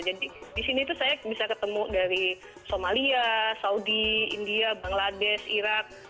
jadi di sini tuh saya bisa ketemu dari somalia saudi india bangladesh irak